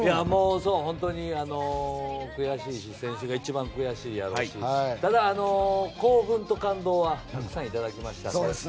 本当に悔しいし選手が一番悔しいやろうしただ、興奮と感動はたくさん頂きましたので。